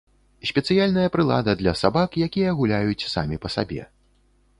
Спецыяльная прылада для сабак, якія гуляюць самі па сабе.